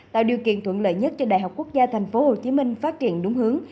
tạo điều kiện thuận lợi nhất cho đại học quốc gia thành phố hồ chí minh phát triển đúng hướng